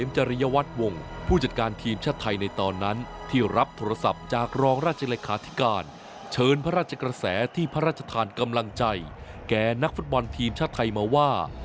จากรองราชิกราคาธิการเชิญพระราชกระแสที่พระราชธานกำลังใจแก่นักฟุตบอลทีมชาติไทยมาว่า